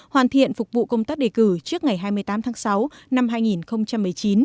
hoàn thiện phục vụ công tác đề cử trước ngày hai mươi tám tháng sáu năm hai nghìn một mươi chín